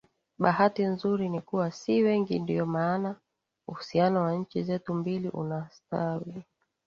Bahati nzuri ni kuwa si wengi ndio maana uhusiano wa nchi zetu mbili unastawi